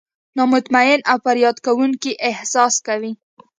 نا مطمئن او فریاد کوونکي احساس کوي.